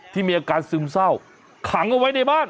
ที่มีอาการซึมเศร้าขังเอาไว้ในบ้าน